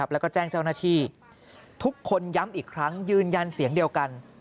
แล้วก็แจ้งเจ้าหน้าที่ทุกคนย้ำอีกครั้งยืนยันเสียงเดียวกัน